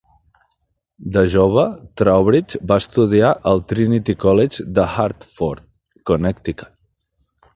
De jove Trowbridge va estudiar al Trinity College de Hartford, Connecticut.